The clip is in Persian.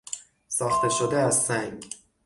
ساخته شده از سنگ